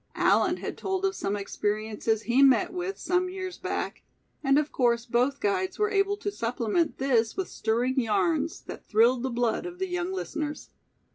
Allan had told of some experiences he met with some years back, and of course both guides were able to supplement this with stirring yarns that thrilled the blood of the young listeners.